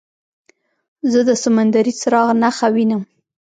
زه د سمندري څراغ نښه وینم.